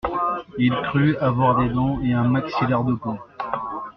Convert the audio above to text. Il crut avoir des dents et un maxillaire de plomb.